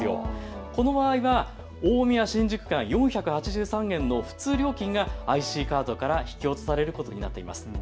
この場合は大宮・新宿間、４８３円の普通料金がＩＣカードから引き落とされることになっています。